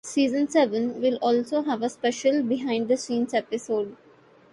Season seven will also have a special "behind-the-scenes" episode.